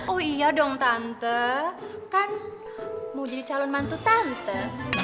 oh iya dong tante kan mau jadi calon mantu tante